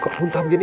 kok muntah begini